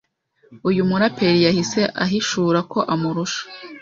Uyu muraperi yahise ahishura ko amurusha